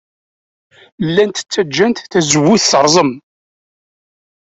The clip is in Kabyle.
Llant ttajjant tazewwut terẓem.